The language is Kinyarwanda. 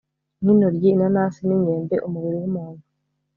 nk'intoryi, inanasi n'imyembe. umubiri w'umuntu